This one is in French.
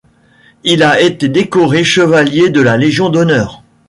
Il a été décoré Chevalier de la Légion d'honneur.